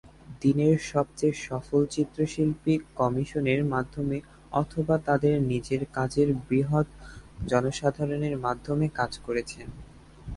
দিনের সবচেয়ে সফল চিত্রশিল্পী কমিশনের মাধ্যমে অথবা তাদের নিজের কাজের বৃহৎ জনসাধারণের মাধ্যমে কাজ করেছেন।